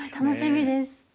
楽しみです。